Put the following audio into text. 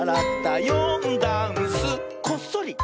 「よんだんす」「こっそり」！